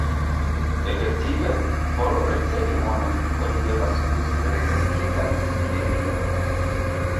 Efektive, por ricevi monon, oni devas uzi registritan sigelilon.